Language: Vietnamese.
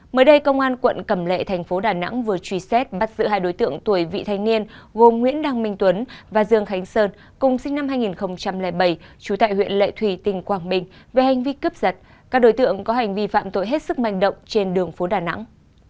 mới đây công an quận cầm lệ thành phố đà nẵng vừa truy xét bắt giữ hai đối tượng tuổi vị thanh niên gồm nguyễn đăng minh tuấn và dương khánh sơn cùng sinh năm hai nghìn bảy trú tại huyện lệ thủy tỉnh quảng bình về hành vi cướp giật các đối tượng có hành vi phạm tội hết sức manh động trên đường phố đà nẵng